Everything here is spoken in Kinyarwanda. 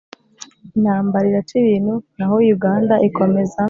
intambara iraca ibintu, naho uganda ikomeza